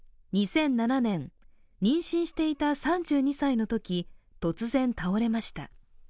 ２００７年、妊娠していた３２歳のとき、突然倒れました。